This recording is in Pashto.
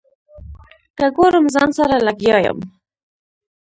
که ګورم ځان سره لګیا یم.